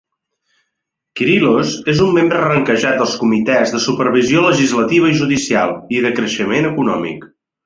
Kyrillos és un membre ranquejat dels comitès de supervisió legislativa i judicial i de creixement econòmic.